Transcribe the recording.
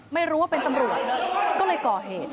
ไม่รู้ว่าเป็นตำรวจก็เลยก่อเหตุ